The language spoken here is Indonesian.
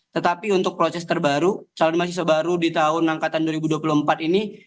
tetapi untuk proses terbaru calon mahasiswa baru di tahun angkatan dua ribu dua puluh empat ini